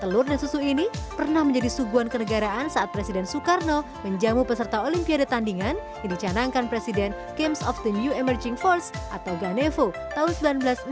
telur dan susu ini pernah menjadi suguhan kenegaraan saat presiden soekarno menjamu peserta olimpiade tandingan yang dicanangkan presiden games of the new emerging force atau ganevo tahun seribu sembilan ratus enam puluh